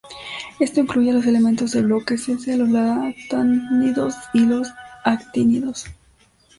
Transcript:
Esto incluye a los elementos del bloque s, a los lantánidos y los actínidos.